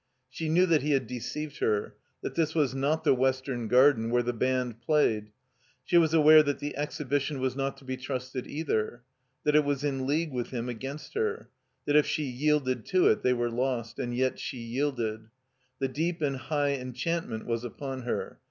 She knew that he had deceived her, that this was not the Western Garden, where the band played; she was aware that the Exhibition was not to be trusted either; that it was in league with him against her; that if she yielded to it they were lost. And yet she yielded. The deep and high enchantment was upon her.